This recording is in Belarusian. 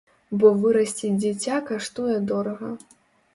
Бо вырасціць дзіця каштуе дорага.